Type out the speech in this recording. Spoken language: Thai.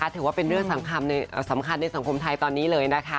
ถือว่าเป็นเรื่องสำคัญในสังคมไทยตอนนี้เลยนะคะ